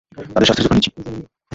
তাদের স্বাস্থ্যের যত্ন নিয়েছি।